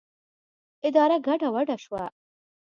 اداره ګډه وډه شوه.